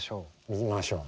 見ましょう。